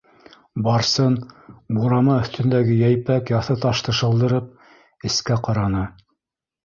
Барсын, бурама өҫтөндәге йәйпәк яҫы ташты шылдырып, эскә ҡараны.